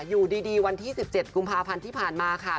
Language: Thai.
อยู่ดีวันที่๑๗กุมภาพันธ์ที่ผ่านมาค่ะ